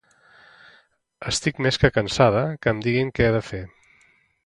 Estic més que cansada que em diguin què he de fer.